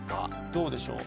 どうでしょう。